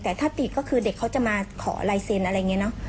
แต่ถ้าติดก็คือเด็กเขาจะมาขอลายเซ็นต์อะไรอย่างนี้เนอะ